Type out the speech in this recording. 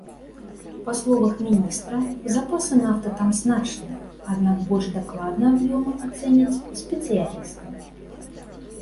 Па словах міністра, запасы нафты там значныя, аднак больш дакладна аб'ёмы ацэняць спецыялісты.